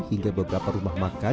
hingga beberapa rumah makan